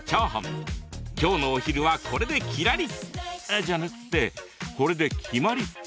今日のお昼はこれでキラリ！じゃなくってこれで決まり。